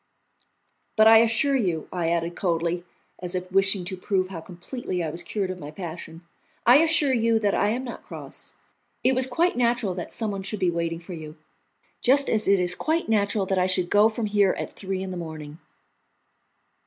"But I assure you," I added coldly, as if wishing to prove how completely I was cured of my passion, "I assure you that I am not cross. It was quite natural that someone should be waiting for you, just as it is quite natural that I should go from here at three in the morning."